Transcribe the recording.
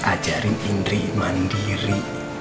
ajarin indri mandiri